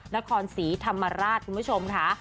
นครศรีธรรมราชคุณผู้ชมค่ะ